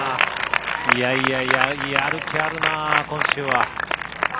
いやいや、いややる気あるな、今週は。